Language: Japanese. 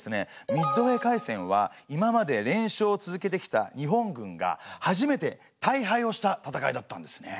ミッドウェー海戦は今まで連勝を続けてきた日本軍が初めて大敗をした戦いだったんですね。